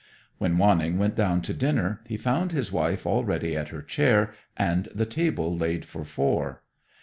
When Wanning went down to dinner he found his wife already at her chair, and the table laid for four.